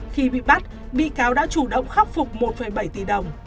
khi bị bắt bị cáo đã chủ động khắc phục một bảy tỷ đồng